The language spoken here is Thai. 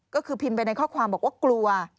ก็คือพิมพ์ไปในข้อความบอกว่ากลัว